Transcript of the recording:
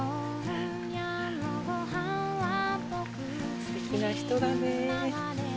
すてきな人だね。